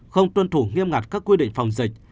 không tuân thủ nghiêm ngặt các quy định phòng dịch